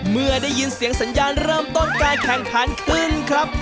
เมื่อได้ยินเสียงสัญญาณเริ่มต้นการแข่งขันขึ้นครับ